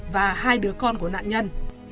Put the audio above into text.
và hai đứa con của nạn nhân